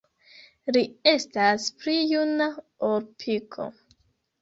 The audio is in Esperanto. Li estas pli juna ol Piko.